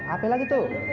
apa lagi tuh